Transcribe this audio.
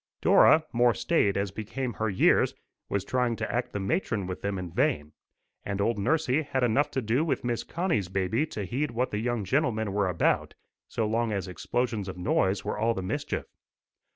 Dora, more staid as became her years, was trying to act the matron with them in vain, and old nursie had enough to do with Miss Connie's baby to heed what the young gentlemen were about, so long as explosions of noise was all the mischief.